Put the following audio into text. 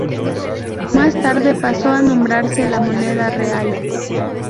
Más tarde pasó a nombrarse "La Moneda Real".